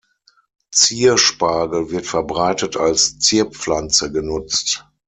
Zier-Spargel wird verbreitet als Zierpflanze genutzt.